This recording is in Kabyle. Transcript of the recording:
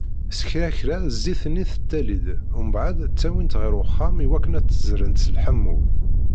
S kra kra, zzit-nni tettali-d umbeεed ttawint-tt γer uxxam i wakken ad tt-zzrent s leḥmu.